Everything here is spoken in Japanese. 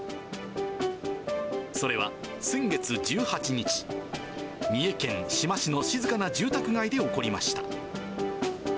それは、先月１８日、三重県志摩市の静かな住宅街で起こりました。